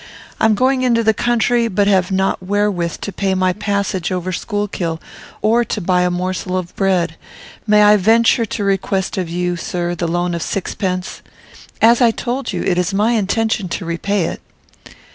I am going to the country, but have not wherewith to pay my passage over Schuylkill, or to buy a morsel of bread. May I venture to request of you, sir, the loan of sixpence? As I told you, it is my intention to repay it."